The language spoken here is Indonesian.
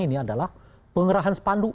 ini adalah penggerahan sepanduk